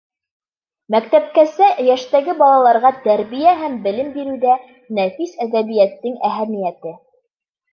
Мәктәпкәсә йәштәге балаларға тәрбиә һәм белем биреүҙә нәфис әҙәбиәттең әһәмиәте.